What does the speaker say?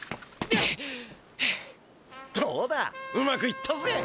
どうだうまくいったぜ。